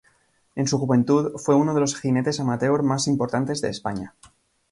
En su juventud, fue uno de los jinetes amateur más importantes de España.